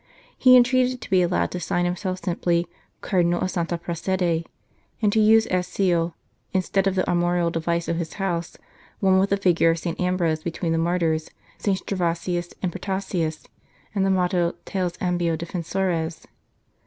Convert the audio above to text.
He entreated to be allowed to sign himself simply Cardinal of Santa Prassede, and to use as seal, instead of the armorial device of his house, one with the figure of St. Ambrose between the martyrs SS. Gervasius and Protasius, with the motto Tales ambio defensores.